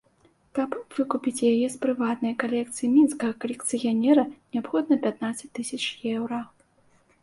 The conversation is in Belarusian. Каб выкупіць яе з прыватнай калекцыі мінскага калекцыянера, неабходна пятнаццаць тысяч еўра.